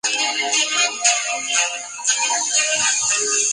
Al día siguiente, los niños hacen servicio comunitario.